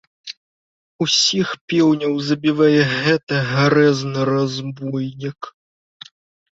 Усіх пеўняў забівае гэты гарэзны разбойнік.